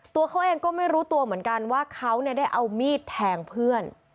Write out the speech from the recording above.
ตัวเขาเองก็ไม่รู้ตัวเหมือนกันว่าเขาได้เอามีดแทงเพื่อน